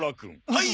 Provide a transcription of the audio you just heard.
はい！